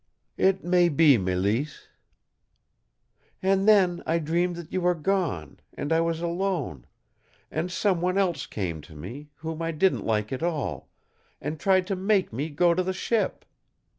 "It may be, Mélisse." "And then I dreamed that you were gone, and I was alone; and some one else came to me, whom I didn't like at all, and tried to MAKE me go to the ship.